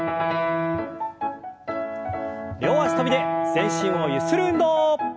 両脚跳びで全身をゆする運動。